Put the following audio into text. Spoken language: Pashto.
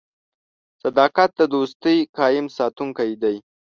• صداقت د دوستۍ قایم ساتونکی دی.